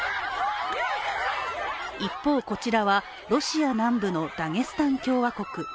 一方、こちらはロシア南部のダゲスタン共和国。